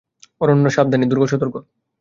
অরণ্য সাবধানী, দুর্গ সতর্ক।